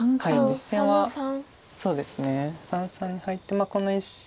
実戦は三々に入ってこの１子。